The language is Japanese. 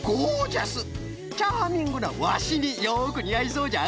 チャーミングなワシによくにあいそうじゃ。